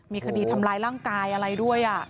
มีคดีทำร้ายร่างกายอะไรด้วย